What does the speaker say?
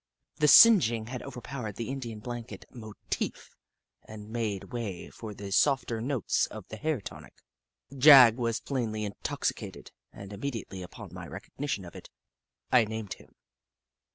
The singeing had overpowered the Indian blanket motif and made way for the softer notes of the hair tonic. Jagg was plainly intoxicated, and immediately upon my recog nition of it, I named him.